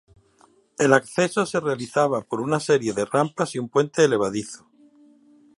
El acceso se realizaba por una serie de rampas y un puente levadizo.